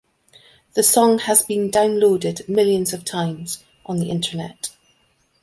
The song has been downloaded millions of times on the Internet.